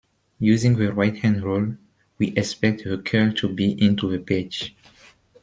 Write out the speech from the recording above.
Using the right-hand rule, we expect the curl to be into the page.